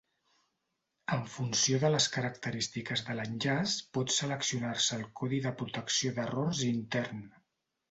En funció de les característiques de l'enllaç pot seleccionar-se el codi de protecció d'errors intern.